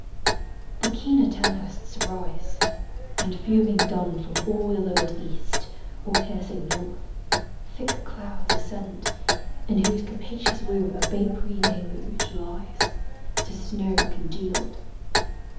The keener tempests rise; and fuming dun From all the livid east, or piercing north, Thick clouds ascend; in whose capacious womb A vapory deluge lies, to snow congealed.